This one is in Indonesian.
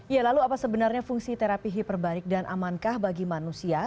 ya lalu apa sebenarnya fungsi terapi hiperbarik dan amankah bagi manusia